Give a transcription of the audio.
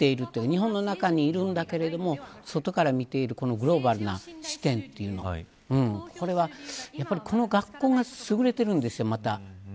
日本の中にいるけど外から見ているグローバルな視点というのがやっぱりこの学校が優れているんです。